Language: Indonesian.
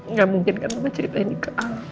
nggak mungkin kan mama ceritain ke al